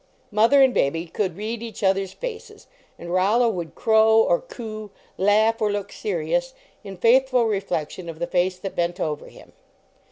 Mother and baby could read each other s faces, and Rollo would crow, or coo, laugh or look serious, in faithful reflection of the face that bent over him.